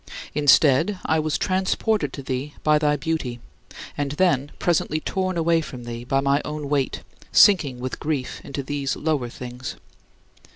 Instead I was transported to thee by thy beauty, and then presently torn away from thee by my own weight, sinking with grief into these lower things.